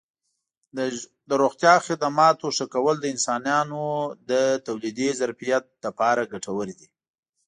د روغتیا خدماتو ښه کول د انسانانو د تولیدي ظرفیت لپاره ګټور دي.